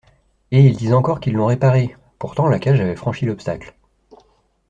Et ils disent encore qu'ils l'ont réparé ! Pourtant, la cage avait franchi l'obstacle.